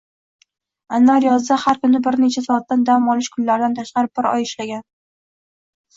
Anvar yozda har kuni bir necha soatdan dam olish kunlaridan tashqari bir oy ishlagan